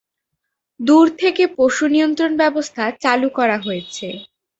দূর থেকে পশু নিয়ন্ত্রণ ব্যবস্থা চালু করা হয়েছে।